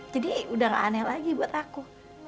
jadi udah ga aneh lagi buat aku